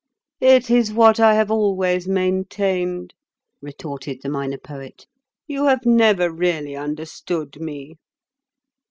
"It is what I have always maintained," retorted the Minor Poet; "you have never really understood me."